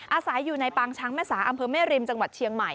อาศัยอยู่ในปางช้างแม่สาอำเภอแม่ริมจังหวัดเชียงใหม่